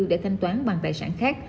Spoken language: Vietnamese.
để thanh toán bằng tài sản khác